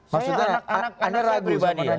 maksudnya anda ragu sama raditya